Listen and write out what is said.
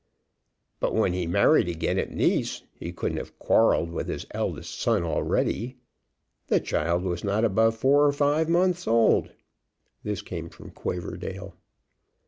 "But when he married again at Nice, he couldn't have quarrelled with his eldest son already. The child was not above four or five months old." This came from Quaverdale.